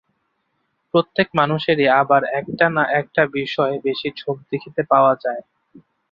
প্রত্যেক মানুষেরই আবার একটা-না-একটা বিষয়ে বেশী ঝোঁক দেখিতে পাওয়া যায়।